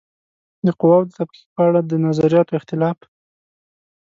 د قواوو د تفکیک په اړوند د نظریاتو اختلاف